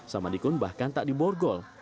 samadikun bahkan tak diborgol